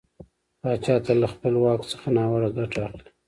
پاچا تل له خپله واک څخه ناوړه ګټه اخلي .